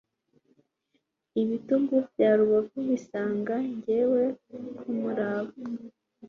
ibitugu bya rubavu bisanga njyewe kumuraba